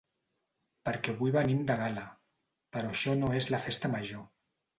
Perquè avui venim de gala, però això no és la festa major.